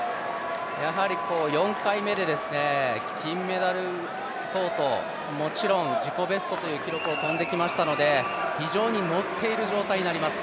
やはり４回目で金メダル相当もちろん自己ベストという記録を跳んできましたので非常にノッている状態になります。